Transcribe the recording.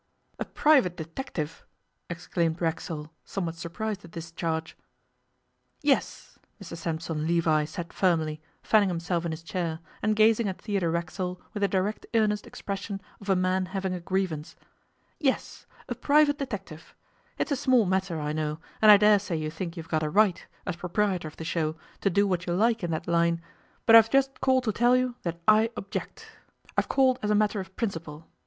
'A private detective?' exclaimed Racksole, somewhat surprised at this charge. 'Yes,' Mr Sampson Levi said firmly, fanning himself in his chair, and gazing at Theodore Racksole with the direct earnest expression of a man having a grievance. 'Yes; a private detective. It's a small matter, I know, and I dare say you think you've got a right, as proprietor of the show, to do what you like in that line; but I've just called to tell you that I object. I've called as a matter of principle.